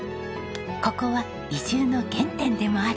ここは移住の原点でもあるんです。